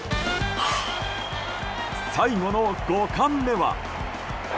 最後の５冠目は。